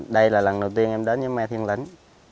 đây là lần đầu tiên em đến với mai thiên lĩnh